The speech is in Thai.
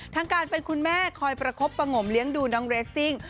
ทั้งการเป็นคุณแม่คอยประคบประงมเลี้ยงดูน้องเรสซิ่ง